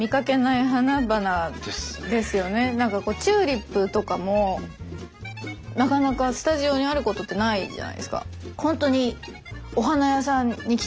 なんかこうチューリップとかもなかなかスタジオにあることってないじゃないですか。